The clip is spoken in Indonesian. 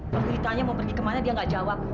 ceritanya mau pergi kemana dia nggak jawab